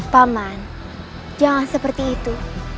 paman jangan seperti itu